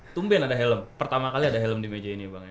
tumben ada helm pertama kali ada helm di meja ini bang